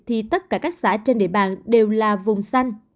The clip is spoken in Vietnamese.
thì tất cả các xã trên địa bàn đều là vùng xanh